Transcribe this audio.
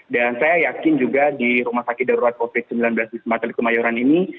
dan saya yakin juga di rumah sakit darurat covid sembilan belas di sumatera di kemayoran ini